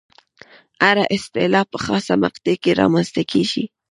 هره اصطلاح په خاصه مقطع کې رامنځته کېږي.